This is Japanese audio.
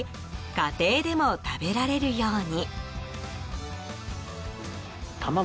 家庭でも食べられるように。